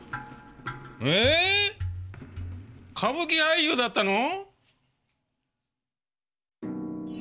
え歌舞伎俳優だったの？